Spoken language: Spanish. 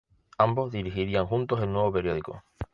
Ambos dirigirían juntos el nuevo periódico.